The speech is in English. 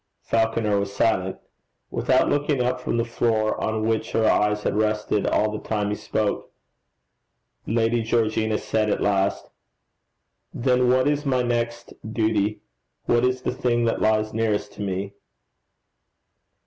Falconer was silent. Without looking up from the floor on which her eyes had rested all the time he spoke, Lady Georgina said at last, 'Then what is my next duty? What is the thing that lies nearest to me?'